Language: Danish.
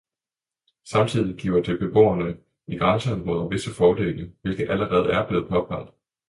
Samtidig giver det beboere i grænseområder visse fordele, hvilket allerede er blevet påpeget.